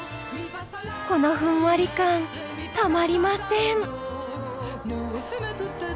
このふんわり感たまりません。